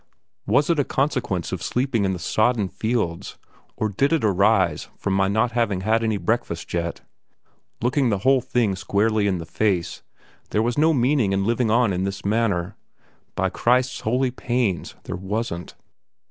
Was it a consequence of sleeping in the sodden fields, or did it arise from my not having had any breakfast yet? Looking the whole thing squarely in the face, there was no meaning in living on in this manner, by Christ's holy pains, there wasn't.